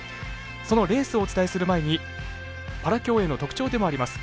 そのレースをお伝えする前にパラ競泳の特徴でもあります